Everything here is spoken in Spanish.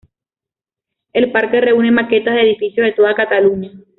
El Parque reúne maquetas de edificios de toda Cataluña.